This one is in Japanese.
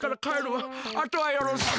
あとはよろしく。